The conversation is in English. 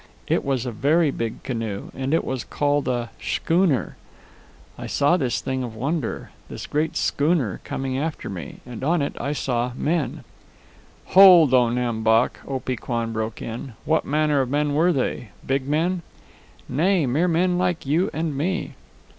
It was a very big canoe, and it was called a schooner. I saw this thing of wonder, this great schooner, coming after me, and on it I saw men " "Hold, O Nam Bok!" Opee Kwan broke in. "What manner of men were they? big men?" "Nay, mere men like you and me."